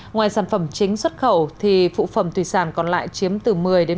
ngoài sản phẩm chính xuất khẩu phụ phẩm thủy sản còn lại chiếm từ một mươi một mươi năm